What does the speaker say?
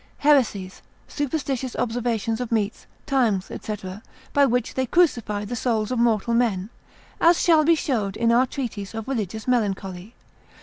Heresies, superstitious observations of meats, times, &c., by which they crucify the souls of mortal men, as shall be showed in our Treatise of Religious Melancholy.